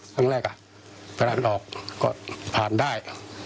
ครั้งแรกผ่านออกก็ผ่านได้